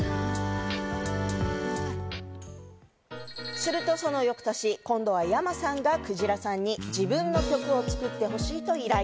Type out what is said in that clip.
するとその翌年、今度はｙａｍａさんがくじらさんに自分の曲を作ってほしいと依頼。